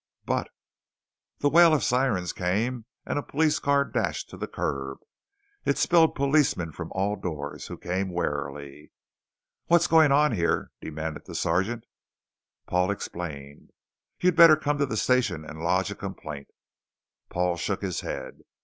"But " The wail of sirens came and a police car dashed to the curb. It spilled policemen from all doors, who came warily. "What's going on here?" demanded the sergeant. Paul explained. "You'd better come to the station and lodge a complaint." Paul shook his head.